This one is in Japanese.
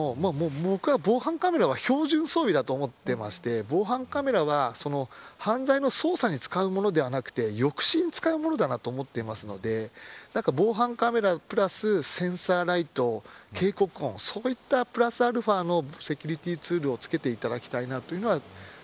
僕は、防犯カメラは標準装備だと思っていまして防犯カメラは犯罪の捜査に使うものではなくて抑止に使うものなんだと思っているので防犯カメラプラス、センサーライト警告音、そういったプラスαのセキュリティーツールを付けていただきたい